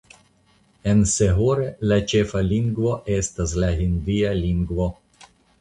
En Sehore la ĉefa lingvo estas la hindia lingvo.